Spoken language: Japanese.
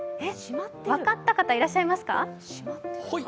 分かった方、いらっしゃいますか？